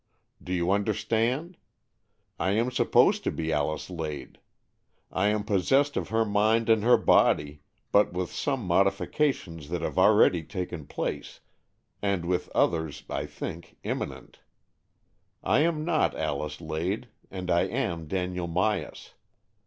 '' Do you understand ? I am supposed to be Alice Lade. I am possessed of her mind and her body, but with some modifications AN EXCHANGE OF SOULS 153 that have already taken place, and with others, I think, imminent. I am not Alice Lade and I am Daniel Myas.